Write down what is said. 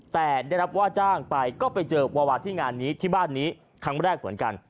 แต่ได้รับว่าจ้างไปก็ไปเจอวาวาที่งานนี้ที่บ้านนี้ครั้งแรกเหมือนกัน